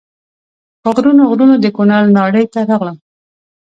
په غرونو غرونو د کونړ ناړۍ ته راغلم.